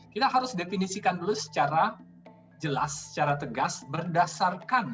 kita harus definisikan dulu secara jelas secara tegas berdasarkan